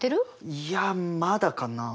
いやまだかなあ。